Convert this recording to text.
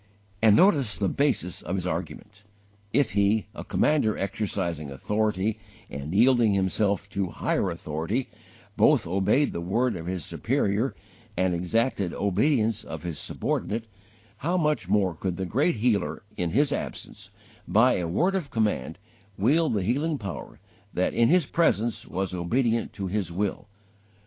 And notice the basis of his argument: if he, a commander exercising authority and yielding himself to higher authority, both obeyed the word of his superior and exacted obedience of his subordinate, how much more could the Great Healer, in his absence, by a word of command, wield the healing Power that in His presence was obedient to His will!